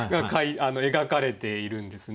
描かれているんですね。